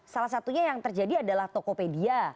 salah satunya yang terjadi adalah tokopedia